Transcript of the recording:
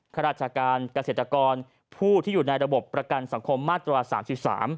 ข้าราชการเกษตรกรผู้ที่อยู่ในระบบประกันสังคมมาตรา๓๓